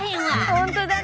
本当だね。